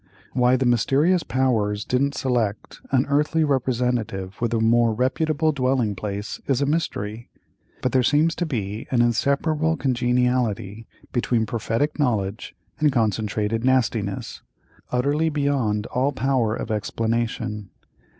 Why the mysterious powers didn't select an earthly representative with a more reputable dwelling place is a mystery; but there seems to be an inseparable congeniality between prophetic knowledge and concentrated nastiness, utterly beyond all power of explanation.